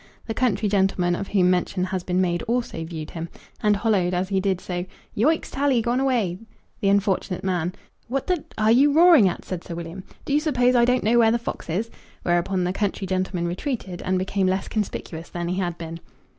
The country gentleman of whom mention has been made also viewed him, and holloa'd as he did so: "Yoicks, tally; gone away!" The unfortunate man! "What the d are you roaring at?" said Sir William. "Do you suppose I don't know where the fox is?" Whereupon the country gentleman retreated, and became less conspicuous than he had been.